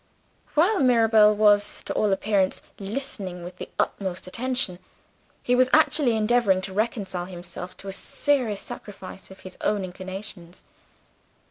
While Mirabel was, to all appearance, listening with the utmost attention, he was actually endeavoring to reconcile himself to a serious sacrifice of his own inclinations.